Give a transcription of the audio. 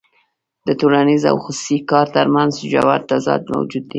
د ټولنیز او خصوصي کار ترمنځ ژور تضاد موجود دی